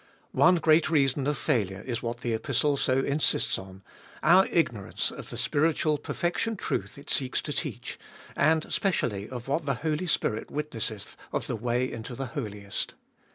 One great reason of failure is what the Epistle so insists on : our ignorance of the spiritual perfection truth it seeks to teach, and specially of what the Holy Spirit witnesseth of the way into the Holiest.